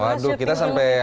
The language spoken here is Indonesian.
waduh kita sampai